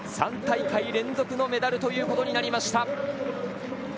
３大会連続のメダルということになりました。